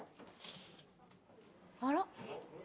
あら？